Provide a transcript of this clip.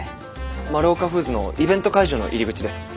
マルオカフーズのイベント会場の入り口です。